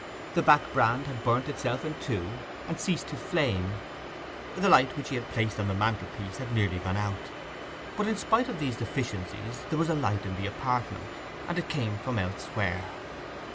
The back brand had burnt itself in two, and ceased to flame; the light which he had placed on the mantelpiece had nearly gone out. But in spite of these deficiencies there was a light in the apartment, and it came from elsewhere.